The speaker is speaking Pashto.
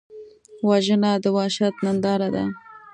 وژنه د وحشت ننداره ده